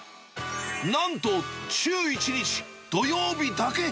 なんと、週１日、土曜日だけ。